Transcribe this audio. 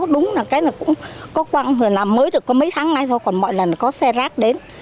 đúng là cái nó cũng có quăng là mới được có mấy tháng nay thôi còn mọi lần có xe rác đến